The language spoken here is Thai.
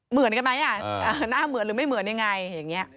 เหมือนกันไหมหน้าเหมือนหรือไม่เหมือนยังไงอย่างนี้